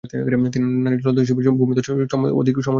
তিনি নারী জলদস্যু হিসেবেও ভূমধ্যসাগরীয় অঞ্চলে ছিলেন সমধিক পরিচিত।